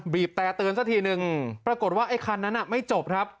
แต่เตือนซะทีนึงปรากฏว่าไอ้คันนั้นไม่จบครับ